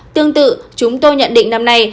tương tự chúng tôi nhận định năm nay